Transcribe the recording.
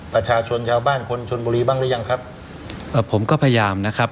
ประชาชนชาวบ้านคนชนบุรีบ้างหรือยังครับเอ่อผมก็พยายามนะครับ